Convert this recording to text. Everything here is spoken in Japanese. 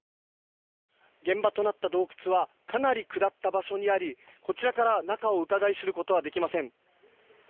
現場となった洞窟はかなり下った場所にありこちらから中をうかがい知ることはできません。